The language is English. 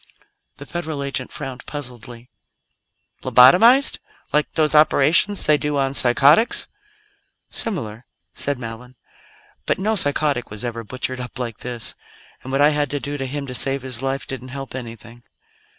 The Federal agent frowned puzzledly. "Lobotomized? Like those operations they do on psychotics?" "Similar," said Mallon. "But no psychotic was ever butchered up like this; and what I had to do to him to save his life didn't help anything."